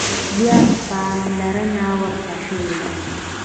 زیاته پاملرنه ورته شوې ده.